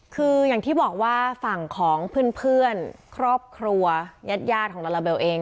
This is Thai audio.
คืออย่างที่บอกว่าฝั่งของเพื่อนครอบครัวยาดของลาลาเบลเอง